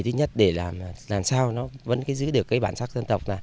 thứ nhất để làm sao nó vẫn giữ được bản sát dân tộc